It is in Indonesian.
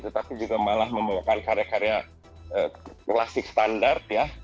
tetapi juga malah membawakan karya karya klasik standar ya